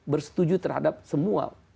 bersetuju terhadap semua